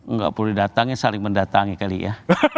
nggak perlu didatangin saling mendatangin kali ya